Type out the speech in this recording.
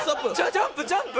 ジャンプジャンプ！